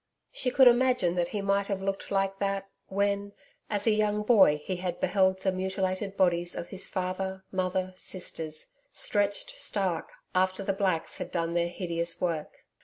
She could imagine that he might have looked like that, when, as a boy he had beheld the mutilated bodies of his father, mother, sisters, stretched stark, after the blacks had done their hideous work.